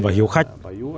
và hiếu khách